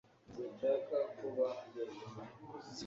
sinshaka kuba jyenyine